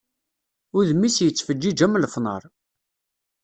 Udem-is yettfeǧǧiǧ am lefnar.